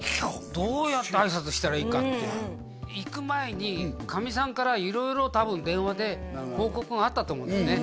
どうやってあいさつしたらいいかって行く前にかみさんから色々多分電話で報告があったと思うんだよね